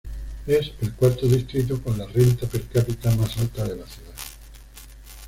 Es el cuarto distrito con la renta per cápita más alta de la ciudad.